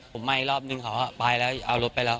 ผมมาอีกรอบนึงเขาไปแล้วเอารถไปแล้ว